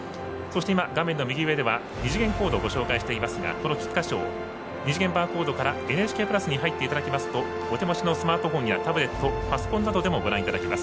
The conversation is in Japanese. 画面の右上では二次元コードをご紹介していますが菊花賞二次元バーコードからＮＨＫプラスに入っていただきますとお手元のスマートフォンタブレットパソコンなどでもご覧いただけます。